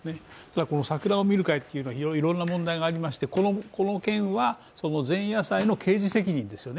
桜を見る会はいろんな問題がありましてこの件は前夜祭の刑事責任ですよね。